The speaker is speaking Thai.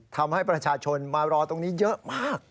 ทำให้ประชาชนมารอตรงนี้เยอะมาก